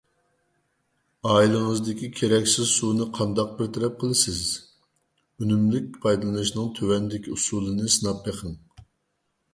ئائىلىڭىزدىكى كېرەكسىز سۇنى قانداق بىر تەرەپ قىلىسىز؟ ئۈنۈملۈك پايدىلىنىشنىڭ تۆۋەندىكى ئۇسۇلىنى سىناپ بېقىڭ.